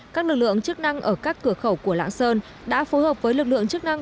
các lực lượng chức năng ở các cửa khẩu của lạng sơn đã phối hợp với lực lượng chức năng